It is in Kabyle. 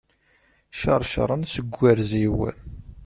Cṛecṛen seg ugrez-iw.